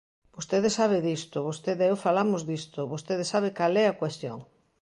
Vostede sabe disto, vostede e eu falamos disto, vostede sabe cal é a cuestión.